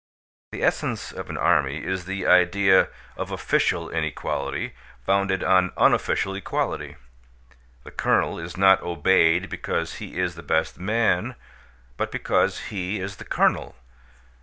The essence of an army is the idea of official inequality, founded on unofficial equality. The Colonel is not obeyed because he is the best man, but because he is the Colonel.